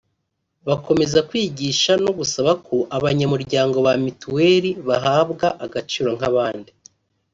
bazakomeza kwigisha no gusaba ko abanyamuryango ba mituweli bahabwa agaciro nk’abandi